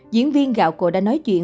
diễn viên gạo cô đã nói chuyện